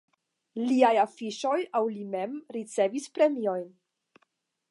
Liaj afiŝoj aŭ li mem ricevis premiojn.